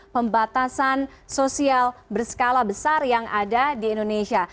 pembatasan sosial berskala besar yang ada di indonesia